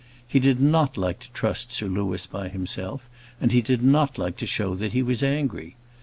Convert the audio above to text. He did not like to trust Sir Louis by himself, and he did not like to show that he was angry.